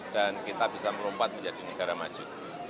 dan kita bisa merompat menjadi negara maju